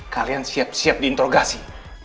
kalian siap siap diinterogasi